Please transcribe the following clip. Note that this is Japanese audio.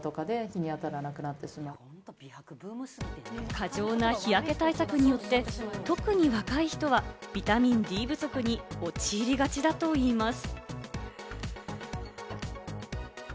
過剰な日焼け対策によって特に若い人はビタミンＤ不足に陥りがちだといいます。